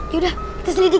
yaudah kita selidikin aja